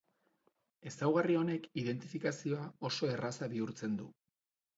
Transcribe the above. Ezaugarri honek identifikazioa oso erraza bihurtzen du.